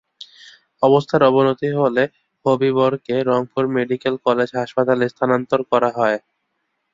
অবস্থার অবনতি হলে হবিবরকে রংপুর মেডিকেল কলেজ হাসপাতালে স্থানান্তর করা হয়।